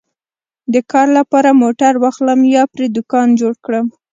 د کار لپاره موټر واخلم یا پرې دوکان جوړ کړم